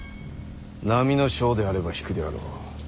並の将であれば引くであろう。